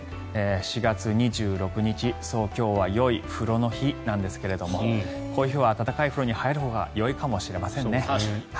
４月２６日、今日はよい風呂の日なんですけどもこういう日は温かい風呂に入るほうがいいかもしれませんね。